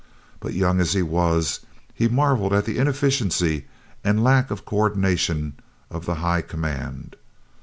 But young as he was, he marvelled at the inefficiency and lack of coordination of the high command.